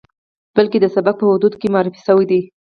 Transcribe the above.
بلکې د سبک په حدودو کې معرفي شوی دی.